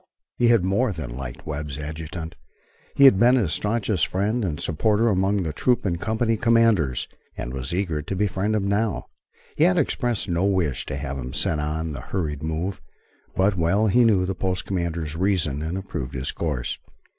He had more than liked Webb's adjutant. He had been his stanchest friend and supporter among the troop and company commanders, and was eager to befriend him now. He had expressed no wish to have him sent on the hurried move, but well he knew the post commander's reasons and approved his course.